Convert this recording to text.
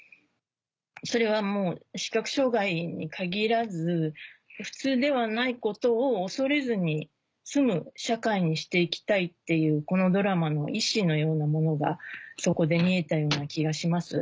それはもう視覚障がいに限らず普通ではないことを恐れずに済む社会にして行きたいっていうこのドラマの意志のようなものがそこで見えたような気がします。